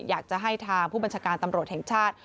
อยากจะให้ทางผู้บัญชาการตำรวจแห่งชาติ